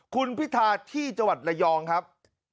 คุณพิธาที่จังหวัดระยองครับ